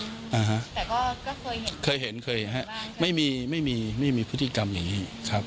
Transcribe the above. แต่ก็เคยเห็นไม่มีไม่มีพฤติกรรมอย่างนี้ครับ